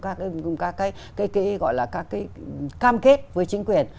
các cái gọi là các cái cam kết với chính quyền